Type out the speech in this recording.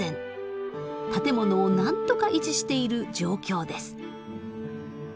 建物をなんとか維持している状況です。